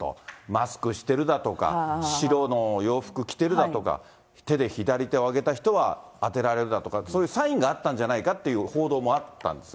マスクしてるだとか、白の洋服着てるだとか、手で左手を挙げた人は当てられるとか、そういうサインがあったんじゃないかっていう報道こうあったんですが。